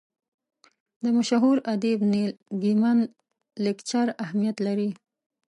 د مشهور ادیب نیل ګیمن لیکچر اهمیت لري.